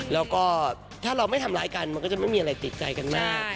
แล้วก็ถ้าเราไม่ทำร้ายกันมันก็จะไม่มีอะไรติดใจกันมาก